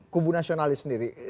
kubu nasionalis sendiri